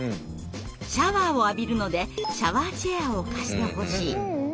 「シャワーを浴びるのでシャワーチェアを貸してほしい」。